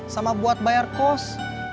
sama buat bayar kos